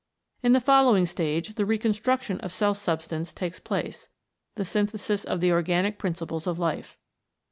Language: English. In the following stage the reconstruction of cell substance takes place, the synthesis of the organic principles of life.